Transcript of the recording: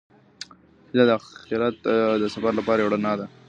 هیله د اخیرت د سفر لپاره یو رڼا ده.